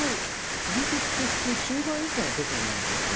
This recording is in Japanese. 継ぎ歩って普通中盤以降の手筋なんですよ。